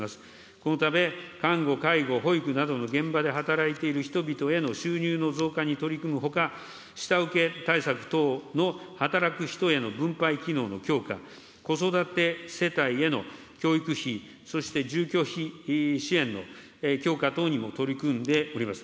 このため、看護、介護、保育などの現場で働いている人々への収入の増加に取り組むほか、下請け対策等の働く人への分配機能の強化、子育て世帯への教育費、そして住居費支援の強化等にも取り組んでおります。